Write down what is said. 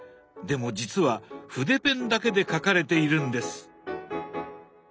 でもじつは筆ペンだけで描かれているんです！